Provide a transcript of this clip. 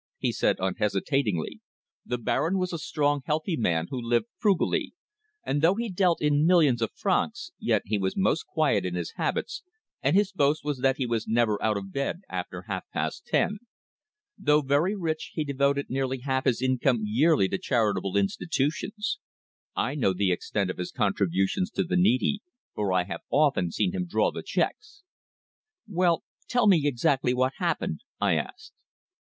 he said unhesitatingly. "The Baron was a strong healthy man who lived frugally, and though he dealt in millions of francs, yet he was most quiet in his habits, and his boast was that he was never out of bed after half past ten. Though very rich he devoted nearly half his income yearly to charitable institutions. I know the extent of his contributions to the needy, for I have often seen him draw the cheques." "Well tell me exactly what happened," I asked.